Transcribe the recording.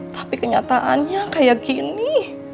tapi kenyataannya kayak gini